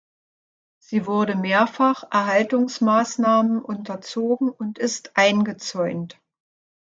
Sie wurde mehrfach Erhaltungsmaßnahmen unterzogen und ist eingezäunt.